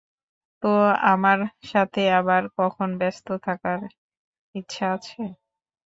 তো, আমার সাথে আবার কখন ব্যস্ত থাকার ইচ্ছা আছে?